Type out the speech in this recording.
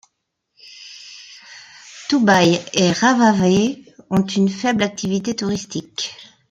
Tubuai et Raivavae ont une faible activité touristique.